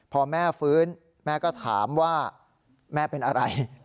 พอแม่ฟื้นแม่ก็ถามว่าแม่เป็นอะไร